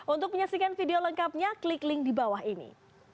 untuk menyaksikan video lengkapnya klik link di bawah ini